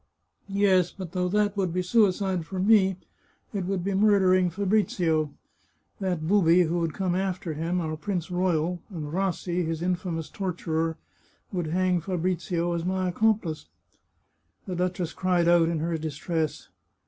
... Yes, but though that would be suicide for me, it would be murdering Fabrizio. That booby who would come after him, our prince royal, and Rassi, his infamous torturer, would hang Fabrizio as my accomplice." The duchess cried out in her distress.